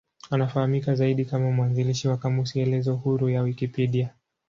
Anafahamika zaidi kama mwanzilishi wa kamusi elezo huru ya Wikipedia.